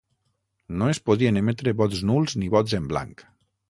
No es podien emetre vots nuls ni vots en blanc.